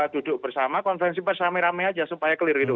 duduk bersama konferensi pers rame rame aja supaya clear gitu